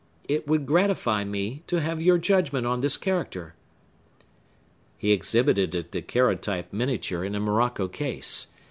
It would gratify me to have your judgment on this character." He exhibited a daguerreotype miniature in a morocco case.